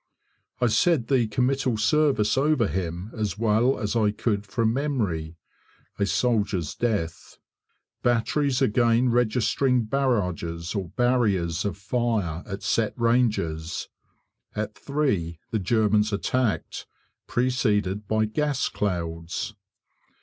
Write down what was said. I said the Committal Service over him, as well as I could from memory. A soldier's death! Batteries again registering barrages or barriers of fire at set ranges. At 3 the Germans attacked, preceded by gas clouds.